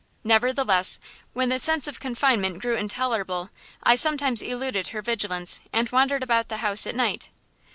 Nevertheless, when the sense of confinement grew intolerable I sometimes eluded her vigilance and wandered about the house at night."